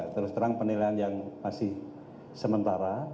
terus terang penilaian yang masih sementara